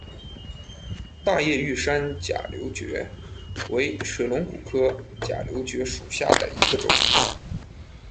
大叶玉山假瘤蕨为水龙骨科假瘤蕨属下的一个种。